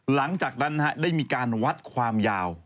หลังจากนั้นได้มีการวัดความยาว